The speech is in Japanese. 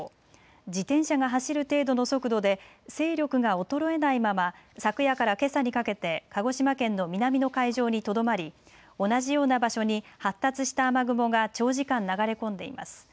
自転車が走る程度の速度で勢力が衰えないまま昨夜からけさにかけて鹿児島県の南の海上にとどまり同じような場所に発達した雨雲が長時間、流れ込んでいます。